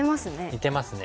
似てますね。